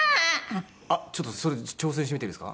あっちょっとそれ挑戦してみていいですか？